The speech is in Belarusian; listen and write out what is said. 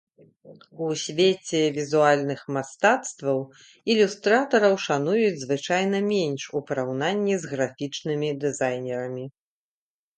У свеце візуальных мастацтваў ілюстратараў шануюць звычайна менш у параўнанні з графічнымі дызайнерамі.